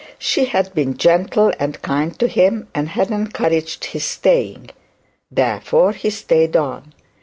She had been gentle and kind to him, and had encouraged his staying. Therefore he stayed on.